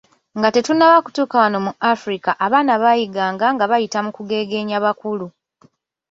Nga tetunnaba kutuuka wano mu Afirika abaana baayiganga nga bayita mu kugegeenya bakulu